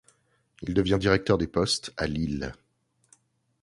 Il devient directeur des postes à Lille.